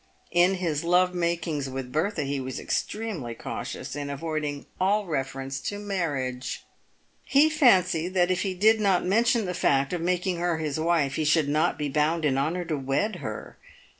In his love makings with Bertha he was extremely cautious in avoiding all reference to marriage. He fancied that if he did not mention the fact of making her his wife he should not be bound in honour to wed her.